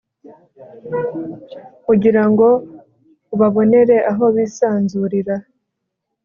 ugira ngo ubabonere aho bisanzurira